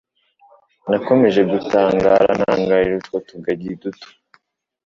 Nakomeje gutangara ntangarira utwo tugagi duto,